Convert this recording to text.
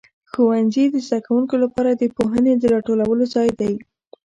ښوونځي د زده کوونکو لپاره د پوهنې د راټولو ځای دی.